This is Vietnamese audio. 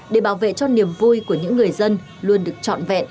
để bảo vệ cho niềm vui của những người dân luôn được trọn vẹn an toàn